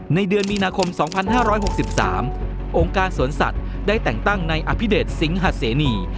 เดือนมีนาคม๒๕๖๓องค์การสวนสัตว์ได้แต่งตั้งในอภิเดชสิงหาเสนี